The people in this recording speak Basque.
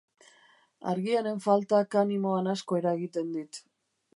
Argiaren faltak animoan asko eragiten dit.